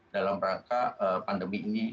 dalam rangka pandemi ini